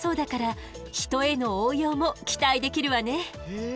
へえ。